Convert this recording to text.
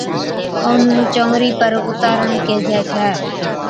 اونھُون چئونرِي پر اُتارڻ ڪيهجَي ڇَي